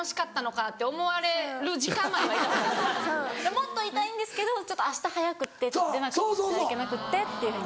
「もっといたいんですけどあした早くって出なくちゃいけなくって」っていうふうに。